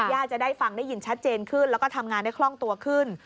จะได้ฟังได้ยินชัดเจนขึ้นแล้วก็ทำงานได้คล่องตัวขึ้น